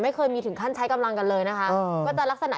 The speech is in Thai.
ไม่เคยมีถึงขั้นใช้กำลังกันเลยนะคะก็จะลักษณะ